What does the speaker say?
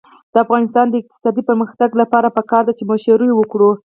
د افغانستان د اقتصادي پرمختګ لپاره پکار ده چې مشوره وکړو.